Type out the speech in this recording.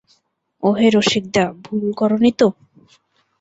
ওহে রসিকদা, ভুল কর নি তো?